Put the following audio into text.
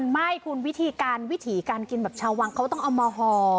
ไม่คุณวิธีการกินแบบชาวังเขาต้องเอามาห่อ